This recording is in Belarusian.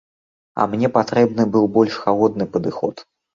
А мне патрэбны быў больш халодны падыход.